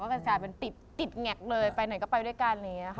ก็กระสาทเป็นติดแงะเลยไปหน่อยก็ไปด้วยกันอย่างนี้ค่ะ